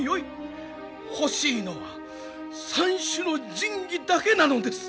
欲しいのは三種の神器だけなのです！